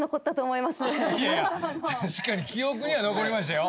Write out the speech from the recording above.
いやいや確かに記憶には残りましたよ。